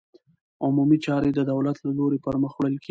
عمومي چارې د دولت له لوري پرمخ وړل کېږي.